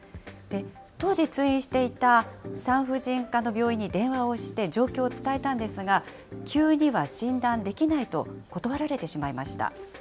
当時、通院していた産婦人科の病院に電話をして、状況を伝えたんですが、急には診断できないと、断られてしまいました。